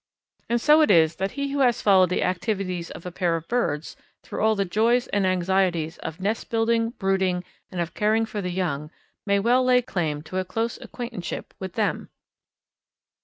And so it is that he who has followed the activities of a pair of birds through all the joys and anxieties of nest building, brooding, and of caring for the young, may well lay claim to a close acquaintanceship with them.